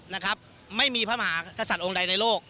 นะครับไม่มีพระมหากษัตริย์องค์ใดในโลก